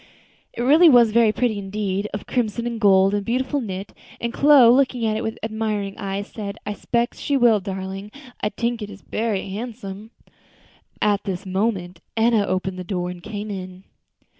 It really was very pretty indeed, of crimson and gold, and beautifully knit, and Chloe, looking at it with admiring eyes, said, "I spec she will, darlin'. I tink it's berry handsome." At this moment Enna opened the door and came in.